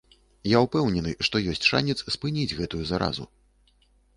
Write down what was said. Я ўпэўнены, што ёсць шанец спыніць гэтую заразу.